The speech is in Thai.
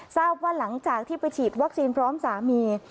ทราบว่าหลังจากที่ไปฉีดวัคซีนพร้อมสามี